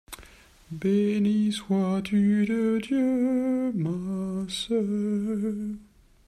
Bénie sois-tu de Dieu, ma sœur!